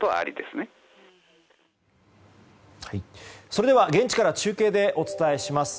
それでは現地から中継でお伝えします。